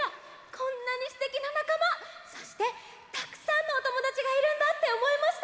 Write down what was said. こんなにすてきななかまそしてたくさんのおともだちがいるんだっておもいました。